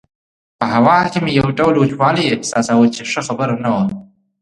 په هوا کې مې یو ډول وچوالی احساساوه چې ښه خبره نه وه.